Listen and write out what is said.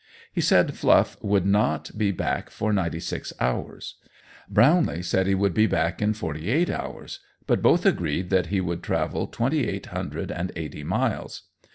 He said Fluff would not be back for ninety six hours. Brownlee said he would be back in forty eight hours, but both agreed that he would travel twenty eight hundred and eighty miles.